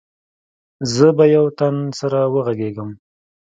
زه به يو تن سره وغږېږم.